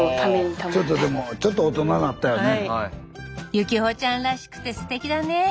幸歩ちゃんらしくてすてきだね。